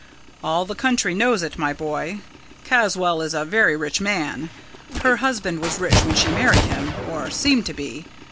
"All the county knows it, my boy. Caswall is a very rich man. Her husband was rich when she married him or seemed to be.